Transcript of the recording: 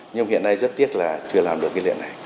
nhưng mà hiện nay rất tiếc là chưa làm được cái liện này